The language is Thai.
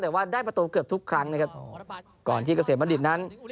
แต่ว่าได้ประตูเกือบทุกครั้งนะครับก่อนที่เกษมบัณฑิตนั้น